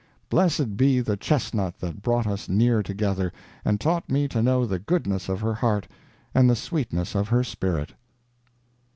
Blessed be the chestnut that brought us near together and taught me to know the goodness of her heart and the sweetness of her spirit!